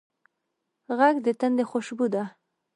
غږ د تندي خوشبو ده